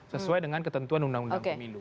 sesuai dengan ketentuan undang undang pemilu